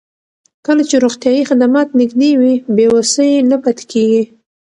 کله چې روغتیايي خدمات نږدې وي، بې وسۍ نه پاتې کېږي.